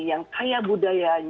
yang kaya budayanya